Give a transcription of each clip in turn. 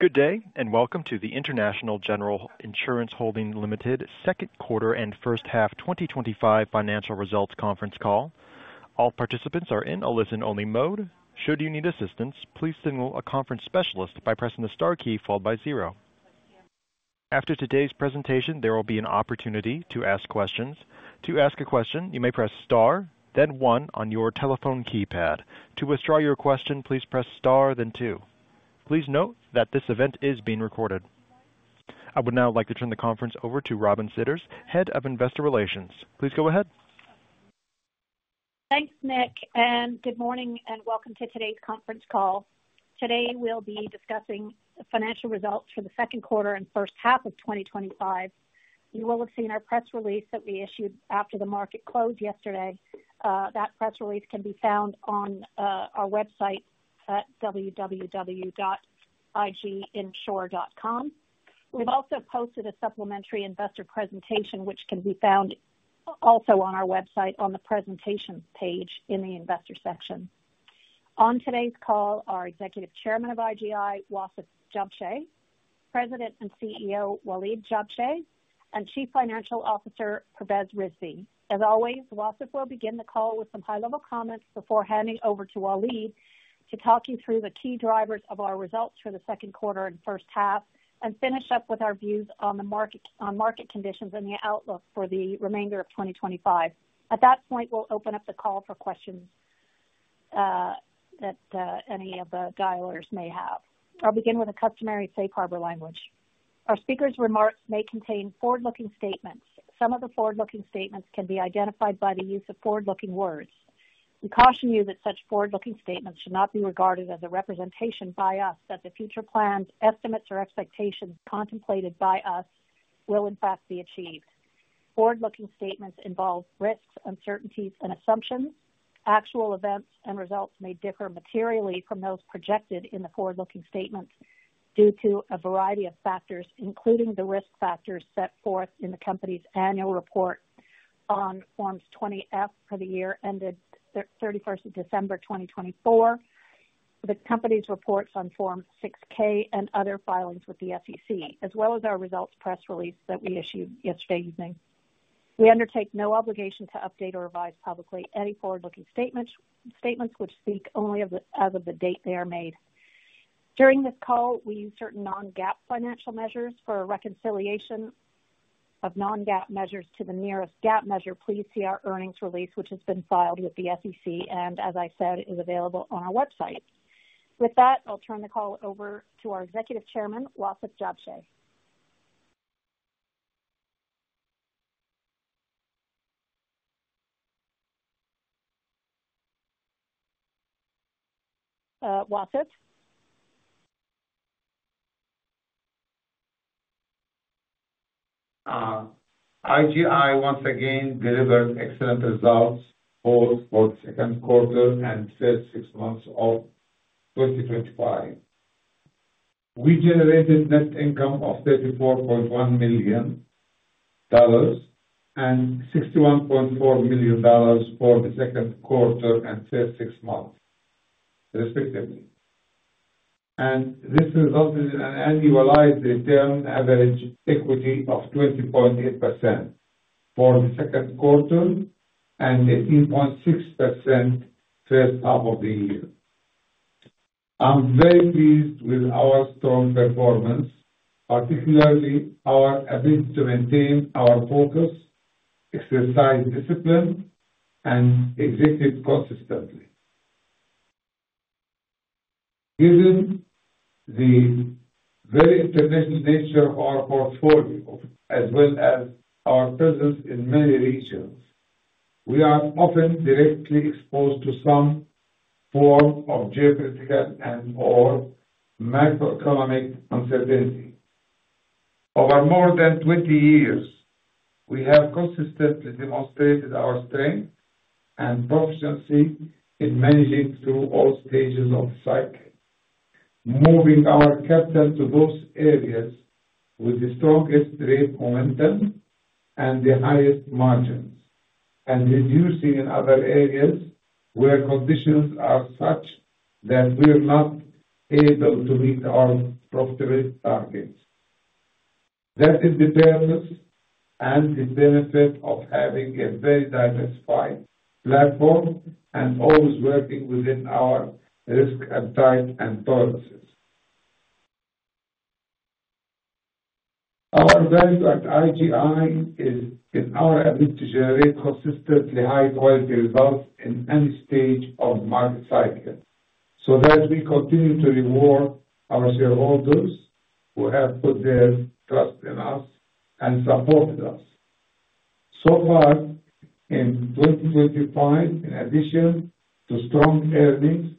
Good day, and welcome to the International General Insurance Holdings Limited. Second Quarter and First Half 2025 Financial Results Conference Call. All participants are in a listen-only mode. Should you need assistance, please signal a conference specialist by pressing the star key followed by zero. After today's presentation, there will be an opportunity to ask questions. To ask a question, you may press star, then one on your telephone keypad. To withdraw your question, please press star, then two. Please note that this event is being recorded. I would now like to turn the conference over to Robin Sitters, Head of Investor Relations. Please go ahead. Thanks, Nick, and good morning and welcome to today's conference call. Today, we'll be discussing financial results for the second quarter and first half of 2025. You will have seen our press release that we issued after that market closed yesterday. That press release can be found on our website at www.iginsure.com. We've also posted a supplementary investor presentation, which can be found also on our website on the presentation page in the investor section. On today's call are Executive Chairman of IGI, Wasef Jabsheh, President and CEO, Waleed Jabsheh, and Chief Financial Officer, Pervez Rizvi. As always, Wasef will begin the call with some high-level comments before handing over to Waleed to talk you through the key drivers of our results for the second quarter and first half and finish up with our views on the market conditions and the outlook for the remainder of 2025. At that point, we'll open up the call for questions that any of the dialers may have. I'll begin with a customary safe harbor language. Our speaker's remarks may contain forward-looking statements. Some of the forward-looking statements can be identified by the use of forward-looking words. We caution you that such forward-looking statements should not be regarded as a representation by us that the future plans, estimates, or expectations contemplated by us will, in fact, be achieved. Forward-looking statements involve risks, uncertainties, and assumptions. Actual events and results may differ materially from those projected in the forward-looking statements due to a variety of factors, including the risk factors set forth in the company's annual report on Forms 20-F for the year ended 31st of December 2024, the company's reports on Form 6-K, and other filings with the SEC, as well as our results press release that we issued yesterday evening. We undertake no obligation to update or revise publicly any forward-looking statements, which speak only as of the date they are made. During this call, we may use certain non-GAAP measures. For a reconciliation of these non-GAAP measure, to the nearest GAAP measure, please refer to our earnings release, which has been filed with the SEC and, as I mention, is available on our website. With that, I'll turn the call over to our Executive Chairman, Wasef Jabsheh. Wasef? And once again, we have a picture that now covers the first and second quarters of 2025. We generated net income of $54.1 million for the first quarter and $61.4 million for the second quarter, respectively. This is not an annualized result, but it is significant for the specialty sector. For the second quarter, our net income margin was 3.6% for the year to date. I am very pleased with our strong performance, particularly our ability to maintain focus, pricing discipline, and execution consistency. Given the very challenging nature of our markets, as well as our presence across many regions, we are often directly exposed to geopolitical factors and broader macroeconomic uncertainties. Over more than 20 years, we have consistently demonstrated our strength and proficiency in managing through all stages of the cycle, moving our capital to those areas with the strongest rate of momentum and the highest margins, and reducing in other areas where conditions are such that we are not able to meet our profitability targets. That is the barriers and the benefits of having a very diversified platform and always working within our risk and time and policy. Our advantage at IGI is in our ability to generate consistently high-quality results in any stage of the market cycle, so that we continue to reward our shareholders who have put their trust in us and some confidence. So far in 2025, in addition to strong earnings,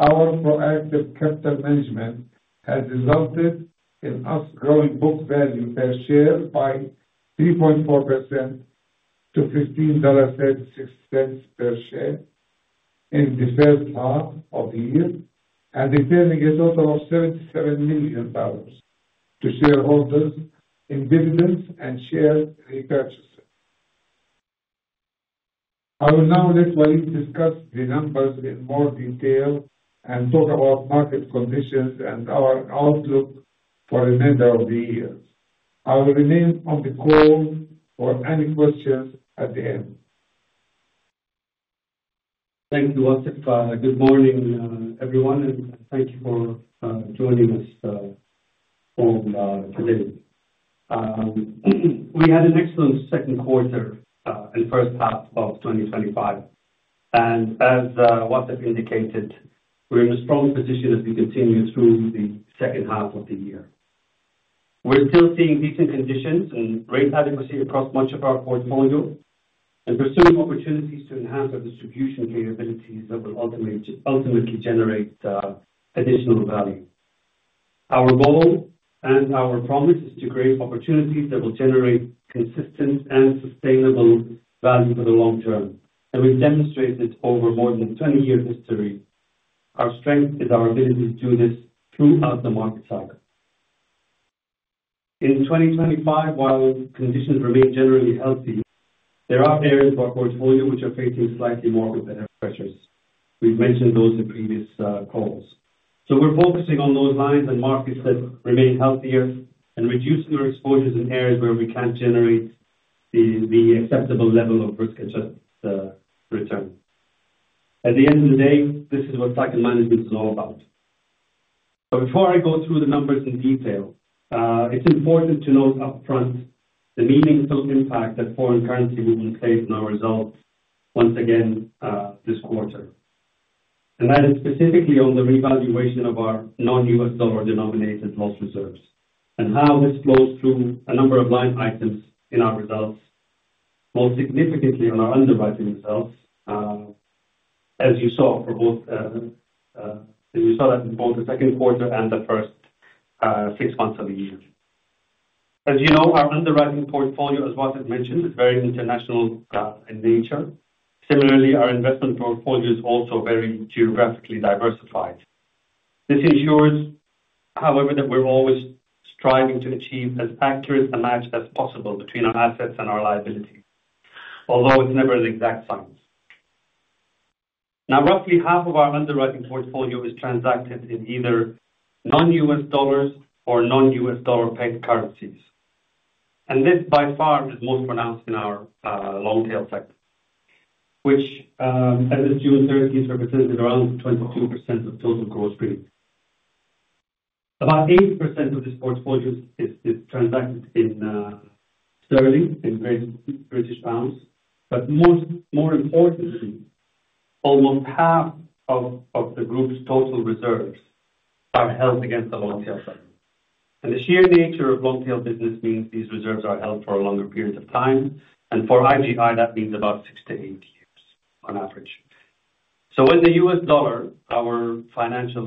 effective capital management has resulted in an increase in book value per share by 3.4% to $15.36 per share. During the first half of the year, we also returned approximately $37 million to investors and shareholders. I will now discuss the numbers in more detail and talk about market conditions and our outlook for the remainder of the year. I will remain on the call to answer any questions at the end. Thank you, Wasef. Good morning, everyone, and thank you for joining us today. We had an excellent second quarter and first half of 2025. As Wasef indicated, we're in a strong position as we continue through the second half of the year. We're still seeing decent conditions in rate and liability across much of our portfolio and pursuing opportunities to enhance our distribution capabilities that will ultimately generate additional value. Our goal and our promise is to create opportunities that will generate consistent and sustainable value for the long term. We've demonstrated this over more than 20 years' history. Our strength is our ability to do this throughout the market cycle. In 2025, while conditions remain generally healthy, there are areas of our portfolio which are facing slightly more open-end pressures. We've mentioned those in calls. So, we’re focusing on those lines and markets that remain healthier, and reducing our exposures in areas where we can’t generate an acceptable level of risk or return. At the end of the day, this is what factor management is all about. But before I go through the numbers in detail, it’s important to note upfront the meaningful impact that foreign currency movements have had on our results once again this quarter. I’m speaking specifically about the revaluation of our non–U.S. dollar-denominated loss reserves and how this flows through a number of line items in our results, most significantly on our net underwriting income, as you saw in both the second quarter and the first half results. As you know, our underwriting portfolio, as was mentioned, is very international in nature. Similarly, our investment portfolio is also very geographically diversified. This ensures, however, that we’re always striving to achieve as accurate a match as possible between our assets and our liabilities, although it’s never an exact match. Now, roughly half of our underwriting portfolio is transacted in either non–U.S. dollar or non–U.S. dollar–pegged currencies. This effect is most pronounced in our long-tail classes, which, as you will notice, represent around 21% of the total gross reserves. About 80% of this portfolio is transacted in sterling in British pounds. More importantly, almost half of the group’s total reserves are held against the long-tail sector. And the very nature of long-tail classes is that these reserves are held for a longer period of time and for IGI, that means about six to eight years, on average. So, when the U.S. dollar… dollar, our financial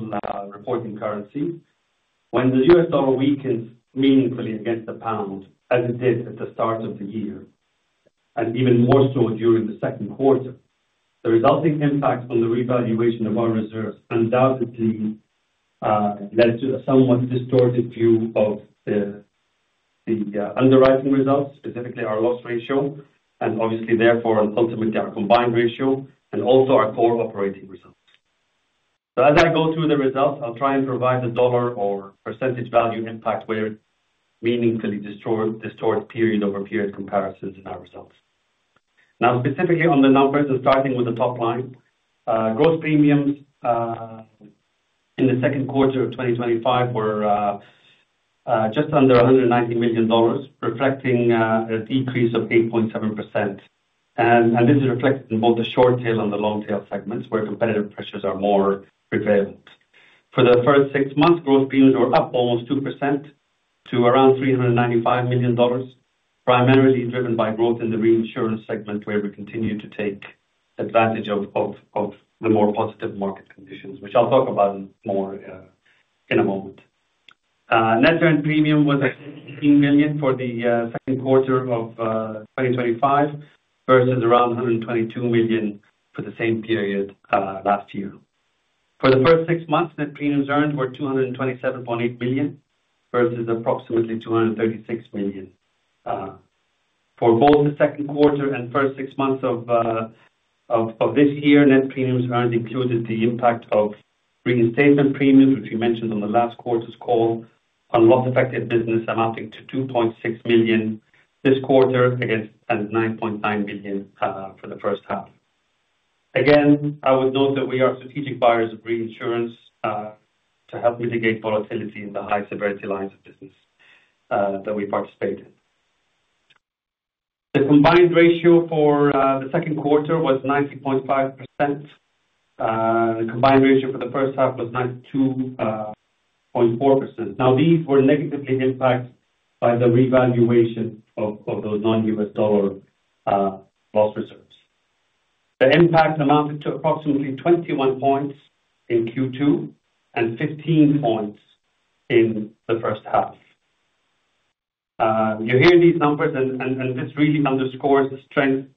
reporting currency, weakens meaningfully against the pound, as it did at the start of the year, and even more so during the second quarter, the resulting impact on the revaluation of our reserves undoubtedly led to a somewhat distorted view of the underwriting results, specifically our loss ratio, and obviously, therefore, ultimately, our combined ratio, and also our core operating results. As I go through the results, I'll try and provide the dollar or percentage value impact where it meaningfully distorts period over period comparisons in our results. Specifically on the numbers, and starting with the top line, gross premiums in the second quarter of 2025 were just under $190 million, reflecting a decrease of 8.7%. This is reflected in both the short-tail and the long-tail segments where competitive pressures are more prevalent. For the first six months, gross premiums were up almost 2% to around $395 million, primarily driven by growth in the reinsurance segment where we continue to take advantage of the more positive market conditions, which I'll talk about more in a moment. Net earned premium was at $118 million for the second quarter of 2025 versus around $122 million for the same period last year. For the first six months, net premiums earned were $227.8 million versus approximately $236 million. For both the second quarter and first six months of this year, net premiums earned included the impact of reinstatement premiums, which we mentioned on the last quarter's call, on loss-affected business amounting to $2.6 million this quarter, and $9.9 million for the first half. I would note that we are strategic buyers of reinsurance to help mitigate volatility in the high severity lines of business that we participate in. The combined ratio for the second quarter was 90.5%. The combined ratio for the first half was 92.4%. These were negatively impacted by the revaluation of those non-U.S. dollar loss reserves. The impact amounted to approximately 21 points in Q2 and 15 points in the first half. You hear these numbers, and this really underscores the strength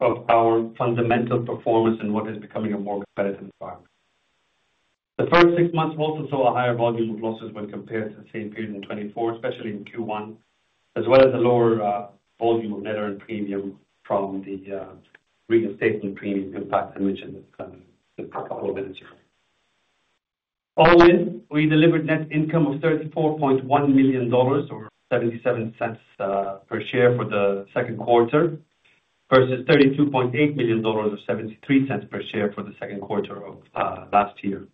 of our fundamental performance in what is becoming a more competitive environment. The first six months also saw a higher volume of losses when compared to the same period in 2023, especially in Q1, as well as a lower volume of net earned premium from the reinstatement premium impact I mentioned in the whole of this year. We delivered net income of $34.1 million or $0.77 per share for the second quarter versus $32.8 million or $0.73 per share for the second quarter of last year.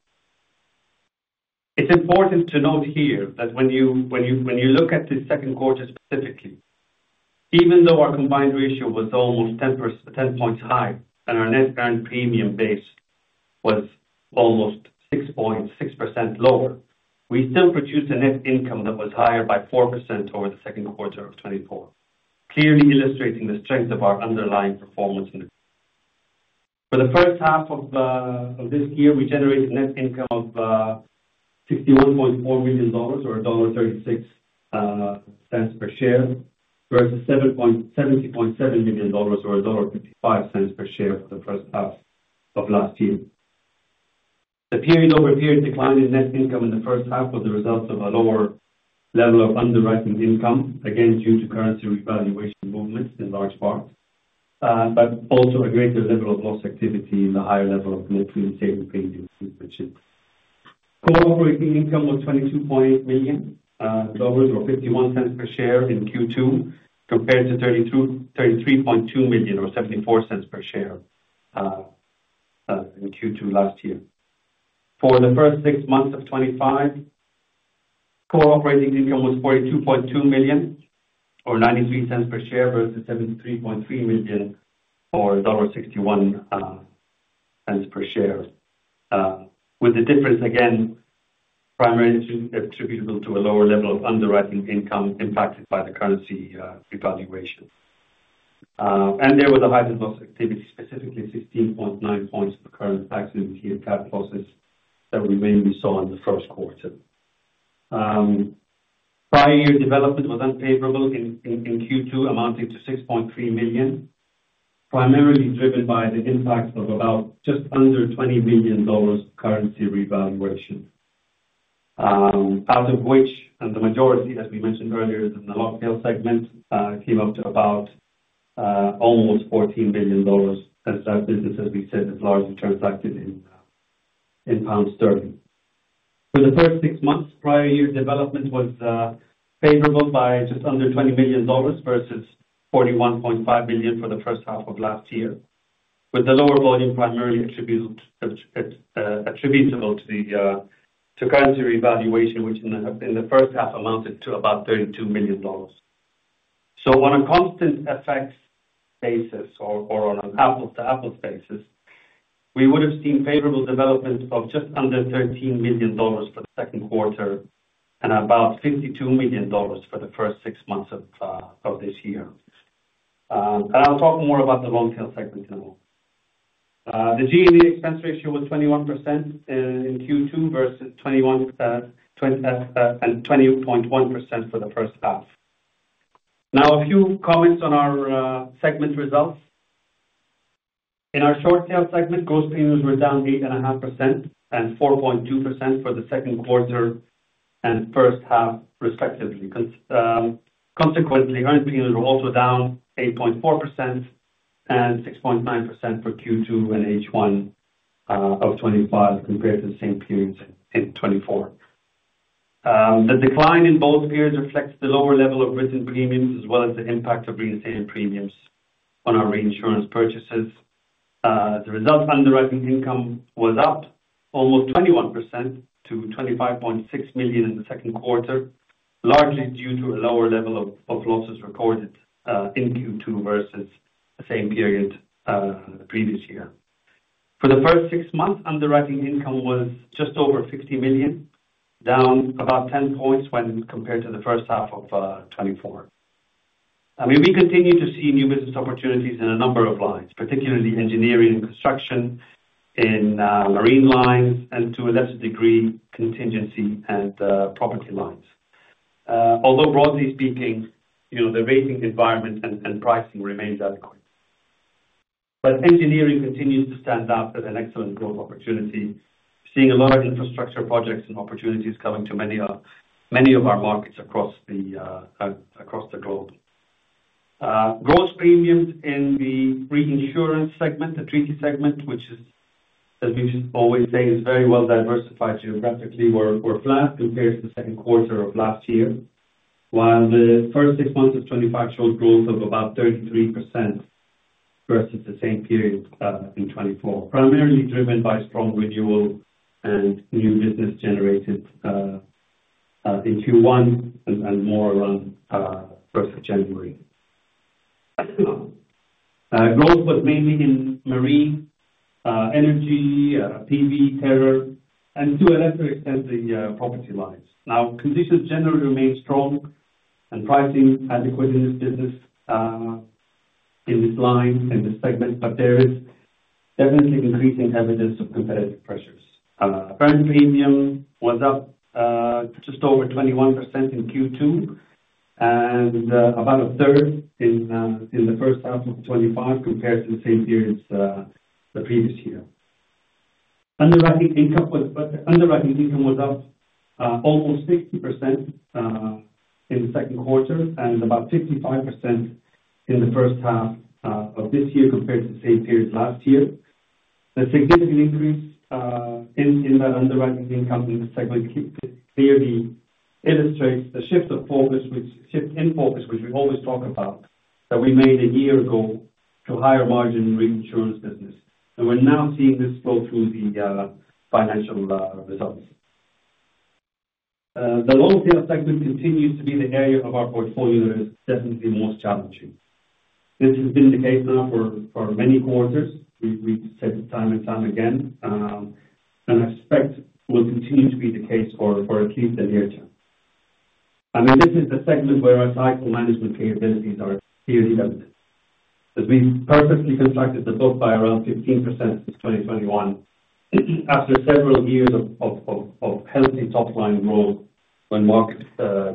It's important to note here that when you look at this second quarter specifically, even though our combined ratio was almost 10 points high and our net earned premium base was almost 6.6% lower, we still produced a net income that was higher by 4% over the second quarter of 2023, clearly illustrating the strength of our underlying performance. For the first half of this year, we generated net income of $61.4 million or $1.36 per share, versus $70.7 million or $1.55 per share for the first half of last year. The period over here in the quantity net income in the first half was the result of a lower level of underwriting income, again, due to currency revaluation movements in large part, but also a greater level of loss activity in the higher level of net reinstatement premiums. The core operating income was $22.8 million or $0.51 per share in Q2 compared to $33.2 million or $0.74 per share in Q2 last year. For the first six months of 2023, core operating income was $42.2 million or $0.93 per share versus $73.3 million or $1.61 per share, with the difference, again, primarily attributable to a lower level of underwriting income impacted by the currency revaluation. There was a high loss activity, specifically 16.9 points per currency acquisition that we mainly saw in the first quarter. Prior year development was unfavorable in Q2, amounting to $6.3 million, primarily driven by the impact of about just under $20 million currency revaluation, out of which the majority, as we mentioned earlier, in the long-tail segment came up to about almost $14 million. That business, as we said, is largely transacted in pound sterling. In the first six months, prior year development was favorable by just under $20 million versus $41.5 million for the first half of last year, with the lower volume primarily attributable to the currency revaluation, which in the first half amounted to about $32 million. On a constant effects basis or on an apples-to-apples basis, we would have seen favorable development of just under $13 million for the second quarter and about $52 million for the first six months of this year. I'll talk more about the long-tail segment in a moment. The GND expense ratio was 21% in Q2 versus 21.1% for the first half. Now, a few comments on our segment results. In our short-tail segment, gross premiums were down 8.5% and 4.2% for the second quarter and the first half, respectively. Consequently, earnings premiums were also down 8.4% and 6.9% for Q2 and H1 of 2025 compared to the same period in 2024. The decline in both of these reflects the lower level of risk premiums as well as the impact of reinstated premiums on our reinsurance purchases. The result underwriting income was up almost 21% to $25.6 million in the second quarter, largely due to a lower level of losses recorded in Q2 versus the same period in the previous year. For the first six months, underwriting income was just over $50 million, down about 10 points when compared to the first half of 2024. We continue to see new business opportunities in a number of lines, particularly engineering and construction, in marine lines, and to a lesser degree, contingency and property lines. Although, broadly speaking, the rating environment and pricing remains adequate. Engineering continues to stand out as an excellent growth opportunity, seeing a lot of infrastructure projects and opportunities coming to many of our markets across the globe. Gross premiums in the reinsurance segment, the treaty segment, which is, as we've been always saying, is very well diversified geographically, were flat compared to the second quarter of last year, while the first six months of 2025 showed growth of about 33% versus the same period in 2024, primarily driven by strong renewal and new business generated in Q1 and more around the first of January. Growth was mainly in marine, energy, TV, terror, and to a lesser extent in property lines. Conditions generally remain strong and pricing adequate in this business, in this line, in this segment, but there has definitely been recent evidence of competitive pressures. Currently, premium was up just over 21% in Q2 and about a third in the first half of 2025 compared to the same periods the previous year. Underwriting income was up almost 60% in the second quarter and about 65% in the first half of this year compared to the same period last year. A significant increase in that underwriting income in the segment clearly illustrates the shift of focus, which we always talk about, that we made a year ago to higher margin in the reinsurance business. We're now seeing this flow through the financial results. The long-tail segment continues to be the area of our portfolio that is definitely the most challenging. This has been the case now for many quarters, time and time again, and I expect will continue to be the case for at least the near term. This is the segment where our liable management capabilities are clearly evident. It's been perfectly reflected the book by around 15% in 2021 after several years of healthy top-line growth when market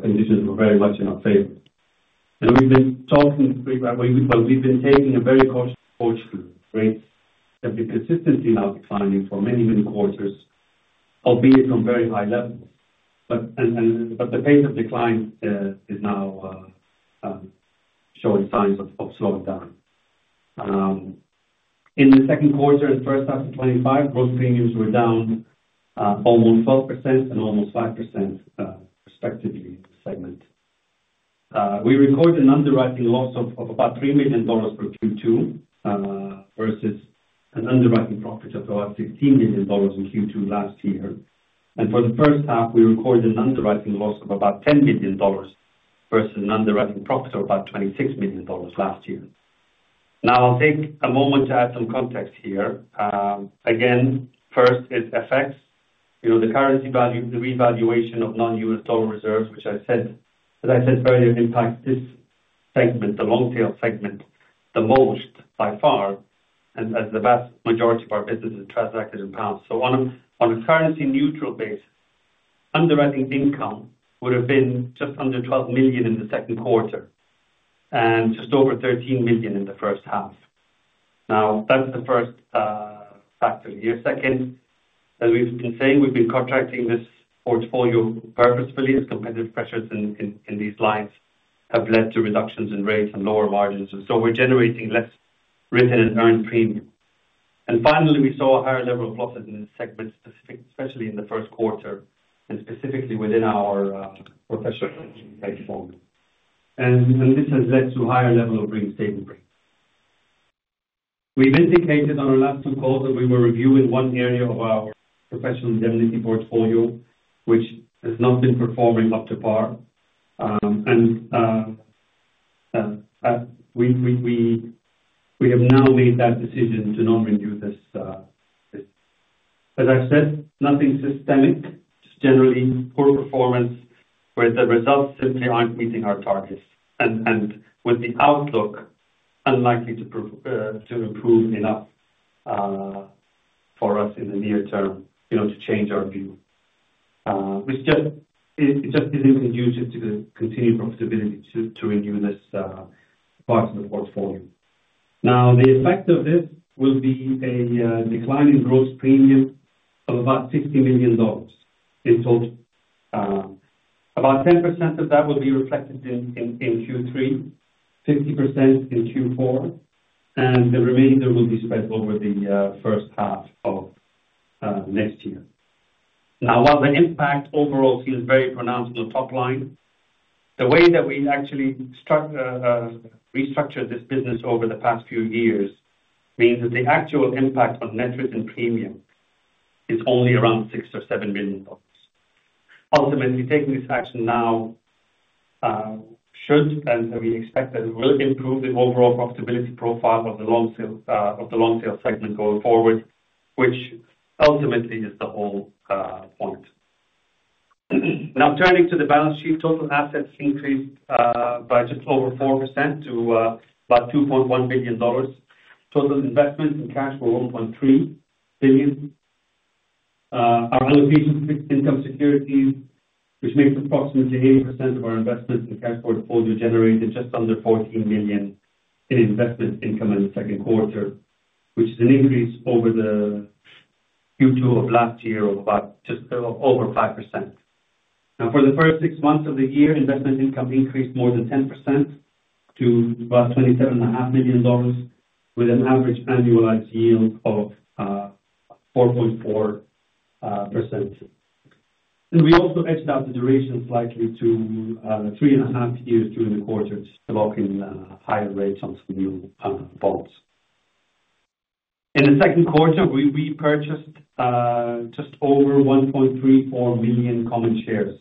conditions were very much in upside. We've been taking a very cautious approach to the risk that we've been persistently now declining for many, many quarters, albeit from very high levels. The pain of decline is now showing signs of slowing down. In the second quarter and the first half of 2025, gross premiums were down almost 12% and almost 5%, respectively, segment. We recorded an underwriting loss of about $3 million per Q2 versus an underwriting profit of about $16 million in Q2 last year. For the first half, we recorded an underwriting loss of about $10 million versus an underwriting profit of about $26 million last year. Now, I'll take a moment to add some context here. First, it's FX. You know the currency value, the revaluation of non-U.S. dollar reserves, which, as I said earlier, impacts this segment, the long-tail segment, the most by far, as the vast majority of our business is transacted in the past. On a currency-neutral basis, underwriting income would have been just under $12 million in the second quarter and just over $13 million in the first half. That is the first factor. Second, as we've been saying, we've been contracting this portfolio purposefully as competitive pressures in these lines have led to reductions in rates and lower margins. We're generating less written and earned premium. Finally, we saw a higher level of losses in this segment, especially in the first quarter and specifically within our professional engineering platform. This has led to a higher level of reinstatement. We've indicated on our last two quarters, we were reviewing one area of our professional indemnity insurance portfolio, which has not been performing up to par. We have now made that decision to non-renew this. As I've said, nothing systemic, just generally poor performance where the results simply aren't meeting our targets and would be outlooked unlikely to improve enough for us in the near term to change our view. It's just easier to do just to continue profitability to renew this part of the portfolio. The effect of this will be a declining gross premium of about $60 million. About 10% of that will be reflected in Q3, 50% in Q4, and the remainder will be spread over the first half of next year. While the impact overall feels very pronounced in the top line, the way that we actually restructured this business over the past few years means that the actual impact on net written premium is only around $6 or $7 million. Ultimately, taking this action now should, and we expect that it will, improve the overall profitability profile of the long-tail segment going forward, which ultimately is the whole point. Now, turning to the balance sheet, total assets increased by just over 4% to about $2.1 billion. Total investments and cash were $1.3 billion. Around these income securities, which make approximately 80% of our investments and cash for the portfolio, generated just under $14 million in investment income in the second quarter, which is an increase over Q2 of last year of just over 5%. For the first six months of the year, investment income increased more than 10% to about $27.5 million with an average annualized yield of 4.4%. We also edged out the duration of flight between the three and a half years during the quarter to lock in higher rates on some new bonds. In the second quarter, we repurchased just over 1.34 million common shares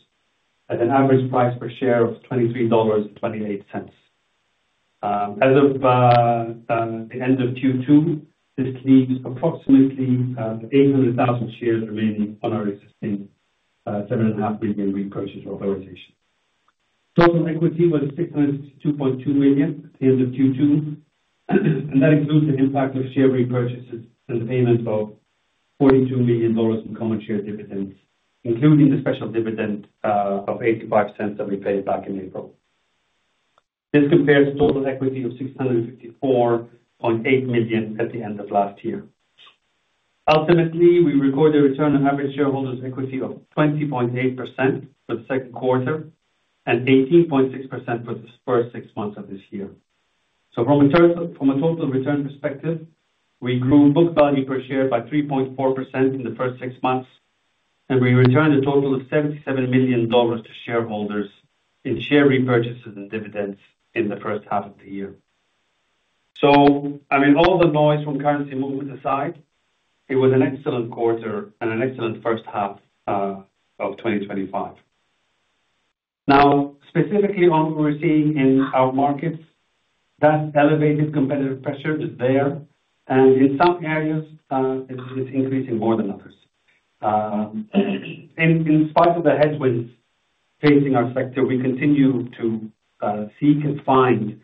at an average price per share of $23.28. As of the end of Q2, this leaves approximately 8 million shares remaining on our existing 7.5 million repurchase authorization. Platinum equity was $6.2 million at the end of Q2. That includes the impact of share repurchases and the payment of $42 million in common share dividends, including the special dividend of $0.85 that we paid back in April. This compares to total equity of $654.8 million at the end of last year. Ultimately, we recorded a return on average shareholders' equity of 20.8% for the second quarter and 18.6% for the first six months of this year. From a total return perspective, we grew book value per share by 3.4% in the first six months, and we returned a total of $77 million to shareholders in share repurchases and dividends in the first half of the year. All the noise from currency movements aside, it was an excellent quarter and an excellent first half of 2025. Specifically, what we're seeing in our markets, that elevated competitive pressure is there. In some areas, it's increasing more than others. In spite of the headwinds facing our sector, we continue to seek and find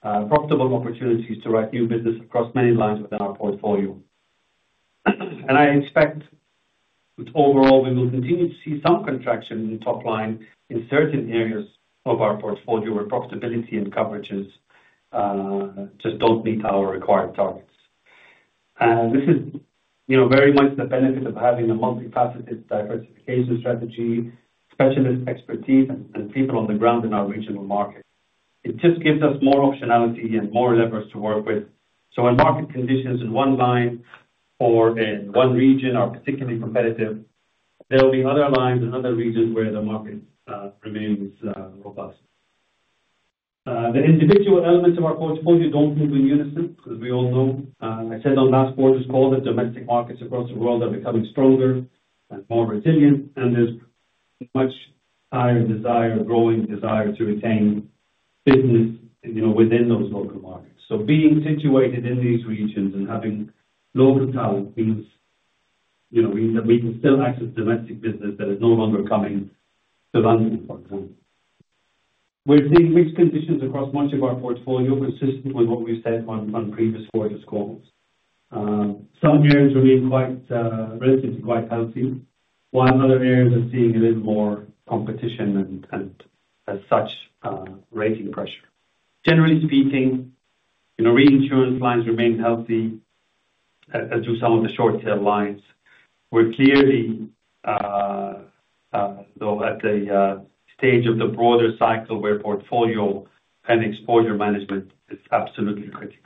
profitable opportunities to write new business across many lines within our portfolio. I expect that overall, we will continue to see some contraction in the top line in certain areas of our portfolio where profitability and coverages just don't meet our required targets. This is very much the benefit of having a multifaceted diversification strategy, specialist expertise, and people on the ground in our regional market. It just gives us more optionality and more levers to work with. When market conditions in one line or in one region are particularly competitive, there will be other lines in other regions where the market remains robust. The individual element of our portfolio don't seem to be unison, as we all know. I said on last quarter's call that domestic markets across the world are becoming stronger and more resilient, and there's a much higher desire, growing desire to retain business within those local markets. Being situated in these regions and having local talent means we can still access domestic business that is no longer coming to run into the portfolio. We've seen these conditions across much of our portfolio consistent with what we said on previous quarter's calls. Some areas remain relatively quite healthy, while in other areas we're seeing a little more competition and, as such, raising pressure. Generally speaking, reinsurance lines remain healthy, as do some of the short-tail lines. We're clearly, though, at the stage of the broader cycle where portfolio and exposure management is absolutely critical.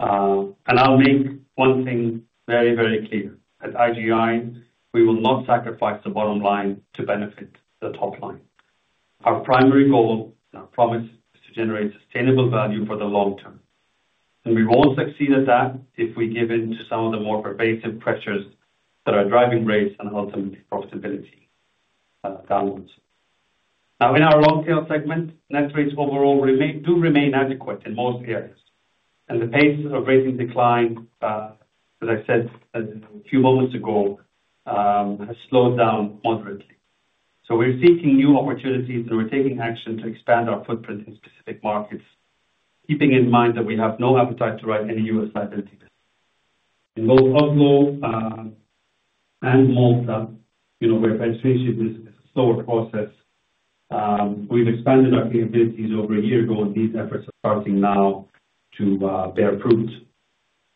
I'll make one thing very, very clear. At IGI, we will not sacrifice the bottom line to benefit the top line. Our primary goal and our promise is to generate sustainable value for the long term. We won't succeed at that if we give in to some of the more pervasive pressures that are driving rates and ultimately profitability downwards. In our long-tail segment, net rates overall do remain adequate in most areas, and the pace of rating decline, as I said a few moments ago, has slowed down moderately. We're seeking new opportunities and taking action to expand our footprint in specific markets, keeping in mind that we have no appetite to write any U.S. liability business. In both household and mockup, where registration is a slower process, we've expanded our capabilities over a year. We won't need efforts of crowding now to bear fruit.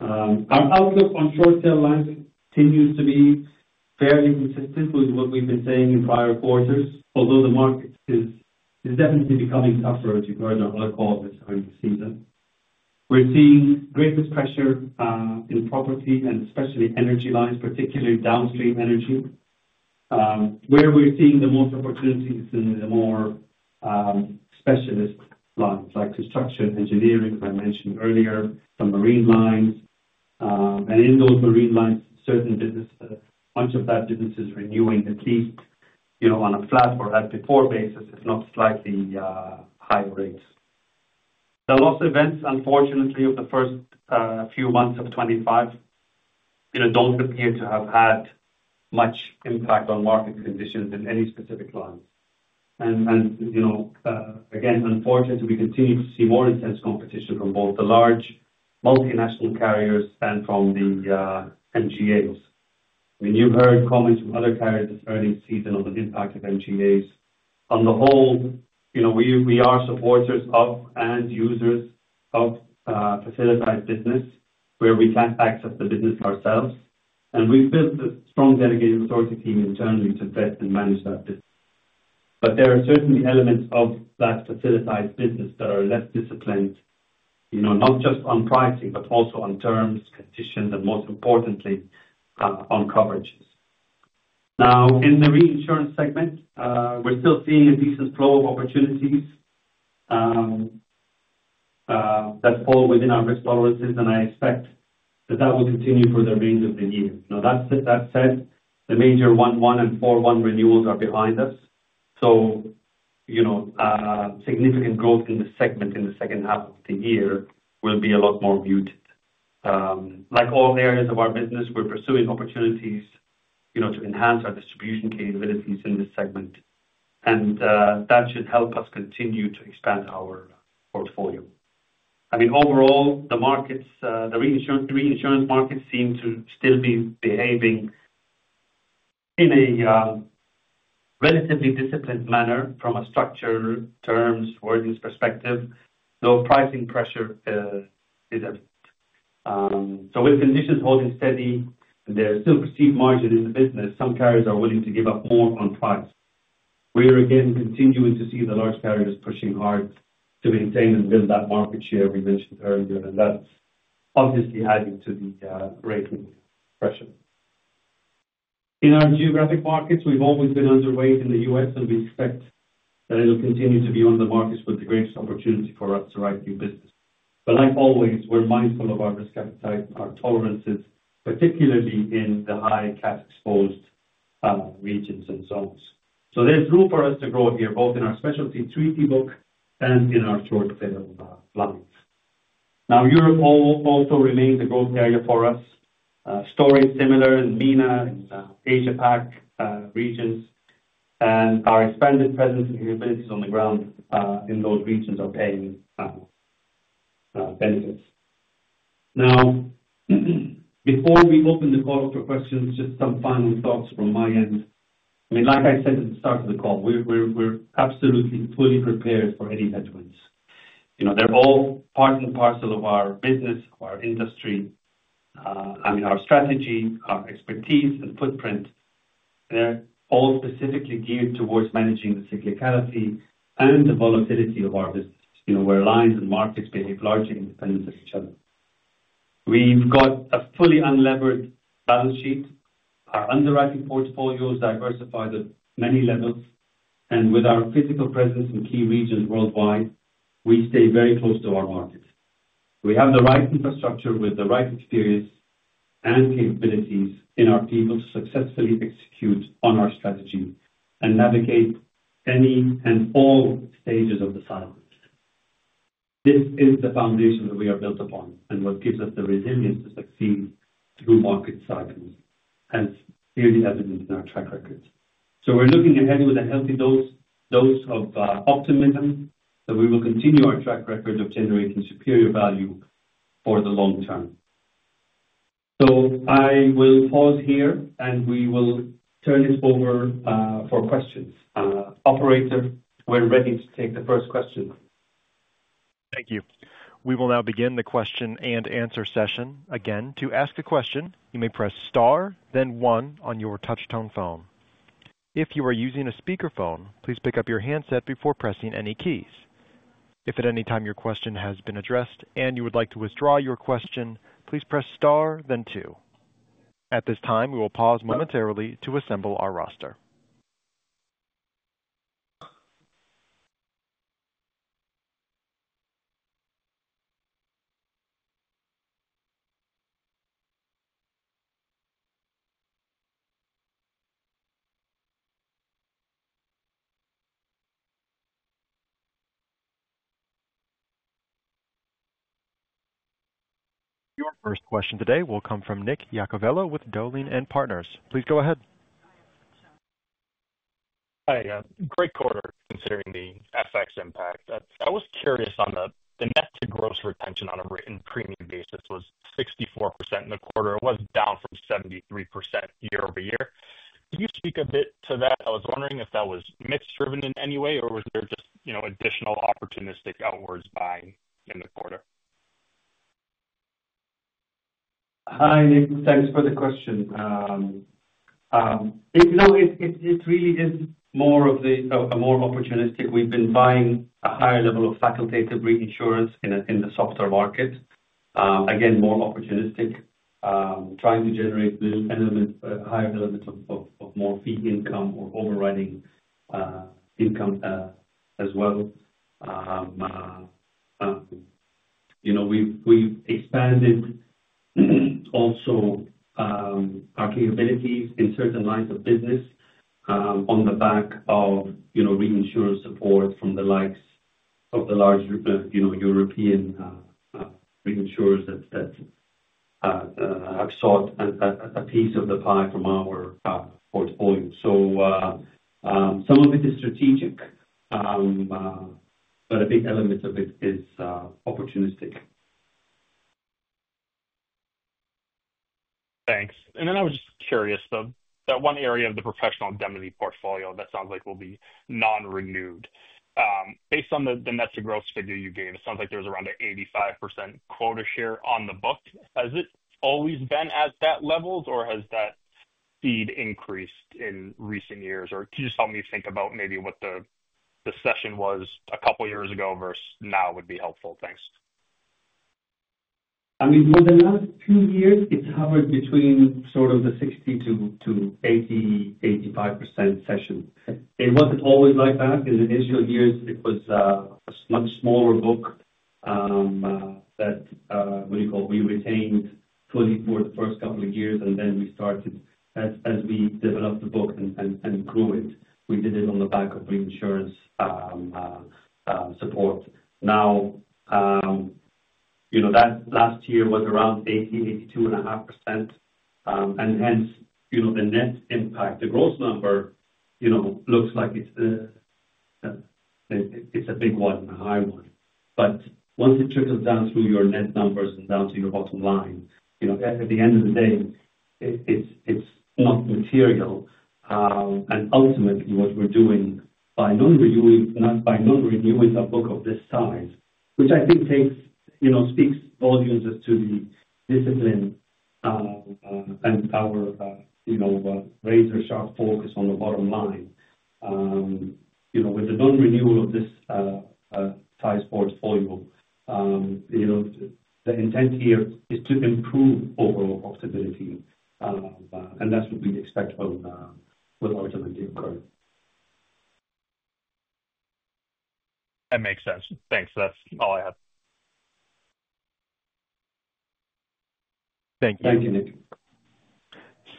Our outlook on short-tail lines continues to be fairly consistent with what we've been saying in prior quarters, although the market is definitely becoming buffered, as you heard on our call this time of season. We're seeing greater pressure in property and especially energy lines, particularly downstream energy, where we're seeing the most opportunities in the more specialist lines like construction insurance, engineering, as I mentioned earlier, and the marine insurance lines. In those marine insurance lines, certainly a bunch of that business is renewing at least on a flat or as-before basis, if not slightly higher rates. The loss events, unfortunately, of the first few months of 2025 don't appear to have had much impact on market conditions in any specific line. Unfortunately, we continue to see more intense competition from both the large multinational carriers and from the MGAs. You heard comments from other carriers this early season within active MGAs. On the whole, we are supporters of and users of facilitated business where we can't access the business ourselves. We've built a strong delegated authority team internally to vet and manage that business. There are certainly elements of that facilitated business that are less disciplined, not just on pricing, but also on terms, conditions, and most importantly, on coverages. In the reinsurance segment, we're still seeing a decent flow of opportunities that fall within our risk tolerances, and I expect that will continue for the remainder of the year. That said, the major 1/1 and 4/1 renewals are behind us. Significant growth in the segment in the second half of the year will be a lot more muted. Like all areas of our business, we're pursuing opportunities to enhance our distribution capabilities in this segment. That should help us continue to expand our portfolio. Overall, the reinsurance markets seem to still be behaving in a relatively disciplined manner from a structure, terms, wordings perspective. No pricing pressure is evident. With conditions holding steady and there's still seed margin in the business, some carriers are willing to give up more on funds. We're continuing to see the large carriers pushing hard to maintain and build that market share we mentioned earlier, and that's obviously adding to the rating pressure. In our geographic markets, we've always been underweight in the U.S., and we expect that it'll continue to be one of the markets with the greatest opportunity for us to write new business. Like always, we're mindful of our risk tolerances, particularly in the high cash-exposed regions themselves. There's room for us to grow here, both in our specialty treaty book and in our short-tail lines. Europe also remains a growth area for us. The story is similar in MENA, Asia-Pacific regions, and our expanded presence and capabilities on the ground in those regions are paying off. Before we open the call for questions, just some final thoughts from my end. Like I said at the start of the call, we're absolutely fully prepared for any headwinds. They're all part and parcel of our business, of our industry. Our strategy, our expertise, and footprint, they're all specifically geared towards managing the cyclicality and the volatility of our business, where lines and markets behave largely independent of each other. We've got a fully unlevered balance sheet. Our underwriting portfolios diversify to many levels. With our physical presence in key regions worldwide, we stay very close to our market. We have the right infrastructure with the right experience and capabilities in our team to successfully execute on our strategy and navigate any and all stages of the cycle. This is the foundation that we have built upon and what gives us the resilience that we've seen through market cycles, as clearly evident in our track record. We're looking ahead with a healthy dose of optimism that we will continue our track record of generating superior value for the long term. I will pause here, and we will turn it over for questions. Operator, we're ready to take the first question. Thank you. We will now begin the question and answer session. Again, to ask a question, you may press star, then one on your touchtone phone. If you are using a speaker phone, please pick up your handset before pressing any keys. If at any time your question has been addressed and you would like to withdraw your question, please press star, then two. At this time, we will pause momentarily to assemble our roster. Your first question today will come from Nicolas Iacoviello with Dowling & Partners Securities LLC. Please go ahead. Hi. Great quarter considering the FX impact. I was curious on the net to gross retention on a written premium basis was 64% in the quarter. It was down from 73% year over year. Could you speak a bit to that? I was wondering if that was mix-driven in any way, or was there just additional opportunistic outwards buying in the quarter? Hi. Thanks for the question. It's really just more opportunistic. We've been buying a higher level of facultative reinsurance in the softer market. Again, more opportunistic, trying to generate a little bit higher levels of more fee income or overriding income as well. We've expanded also our capabilities in certain lines of business on the back of reinsurance support from the likes of the large European reinsurers that have sought a piece of the pie from our portfolio. Some of it is strategic, but a big element of it is opportunistic. Thanks. I was just curious, though, that one area of the professional indemnity insurance portfolio that sounds like will be non-renewed. Based on the net to gross figure you gave, it sounds like there's around an 85% quota share on the book. Has it always been at that level, or has that fee increased in recent years? Could you just help me think about maybe what the session was a couple of years ago versus now? That would be helpful. Thanks. I mean, in the last two years, it's hovered between sort of the 60 to 80, 85% session. It wasn't always like that. In the initial years, it was a much smaller book that we retained fully for the first couple of years, and then we started as we developed the book and grew it. We did it on the back of reinsurance support. Now, you know, that last year was around 80, 82.5%. Hence, you know, the net impact, the gross number, you know, looks like it's a big one, a high one. Once it trickles down through your net numbers and down to your bottom line, you know, at the end of the day, it's not material. Ultimately, what we're doing by non-renewing a book of this size, which I think takes, you know, speaks volumes as to the discipline and our, you know, razor-sharp focus on the bottom line. You know, with the non-renewal of this size portfolio, you know, the intent here is to improve overall profitability. That's what we'd expect from what originally occurred. That makes sense. Thanks. That's all I have. Thank you. Thank you, Nicolas.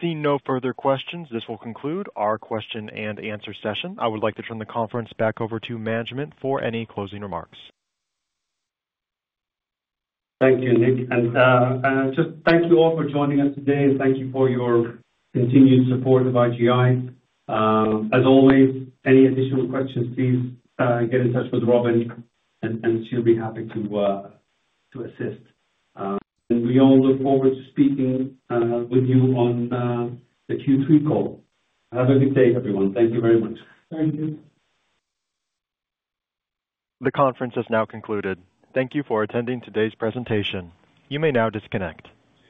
Seeing no further questions, this will conclude our question and answer session. I would like to turn the conference back over to management for any closing remarks. Thank you, Nick. Thank you all for joining us today. Thank you for your continued support of IGI. As always, any additional questions, please get in touch with Robin, and she'll be happy to assist. We all look forward to speaking with you on the Q3 call. Have a good day, everyone. Thank you very much. Thank you, Robin. The conference is now concluded. Thank you for attending today's presentation. You may now disconnect.